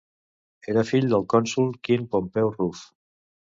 Era fill del cònsol Quint Pompeu Ruf.